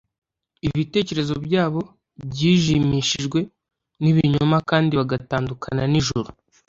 Ibitekerezo byabo byijimishijwe n’ibinyoma kandi bagatandukana n’ijuru.